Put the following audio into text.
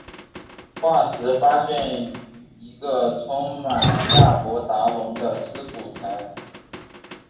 化石发现于一个充满亚伯达龙的尸骨层。